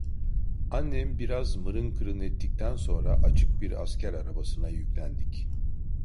Annem biraz mırın kırın ettikten sonra, açık bir asker arabasına yüklendik.